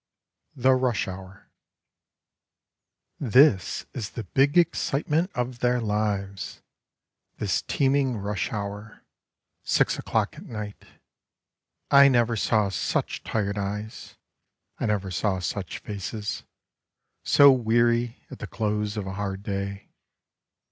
THE RUSH HOUR TpHIS is the big excitement of their lives! —^ This teeming rush hour — six o'clock at night. I never saw such tired eyes; I never saw such faces, So weary at the close of a hard day.